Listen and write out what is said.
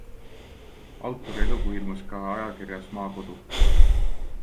Autori lugu ilmus ka ajakirjas Maakodu.